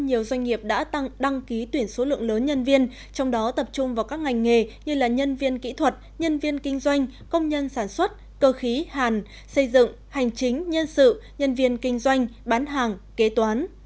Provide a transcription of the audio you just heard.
nhiều doanh nghiệp đã tăng đăng ký tuyển số lượng lớn nhân viên trong đó tập trung vào các ngành nghề như nhân viên kỹ thuật nhân viên kinh doanh công nhân sản xuất cơ khí hàn xây dựng hành chính nhân sự nhân viên kinh doanh bán hàng kế toán